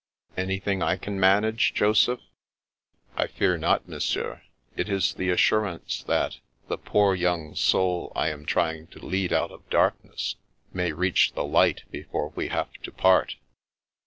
" Anything I can manage, Joseph ?"" I fear not, Monsieur. It is the assurance that the poor young soul I am trying to lead out of dark ness may reach the light before we have to part."